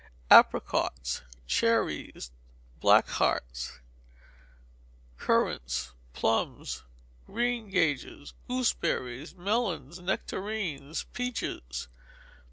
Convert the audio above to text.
Apricots, cherries (black heart), currants, plums, greengages, gooseberries, melons, nectarines, peaches.